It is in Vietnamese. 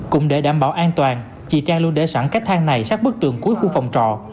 cũng để đảm bảo an toàn chị trang luôn để sẵn cái thang này sát bức tường cuối khu phòng trọ